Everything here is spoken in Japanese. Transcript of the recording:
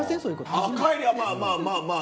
ああ帰りはまあまあまあまあ。